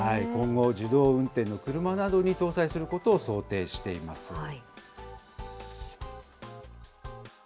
今後、自動運転の車などに搭載することを想定しています。